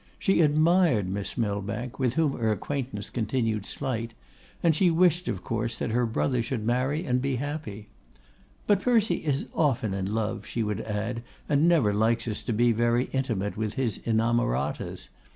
She admired Miss Millbank, with whom her acquaintance continued slight; and she wished, of course, that her brother should marry and be happy. 'But Percy is often in love,' she would add, 'and never likes us to be very intimate with his inamoratas.